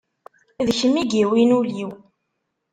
D kemm i yiwin ul-iw.